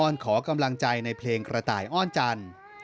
ขอกำลังใจในเพลงกระต่ายอ้อนจันทร์